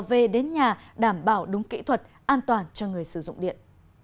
về đến nhà đảm bảo đúng kỹ thuật an toàn cho người sử dụng điện